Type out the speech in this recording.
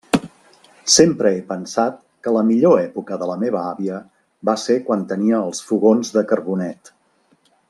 Sempre he pensat que la millor època de la meva àvia va ser quan tenia els fogons de carbonet.